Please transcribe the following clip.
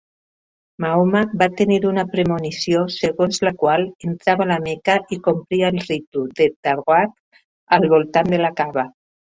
Mahoma va tenir una premonició segons la qual entrava la Meca i complia el ritu del tawaf al voltant de la Kaba.